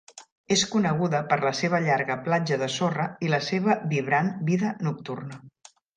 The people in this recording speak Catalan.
És coneguda per la seva llarga platja de sorra i la seva vibrant vida nocturna.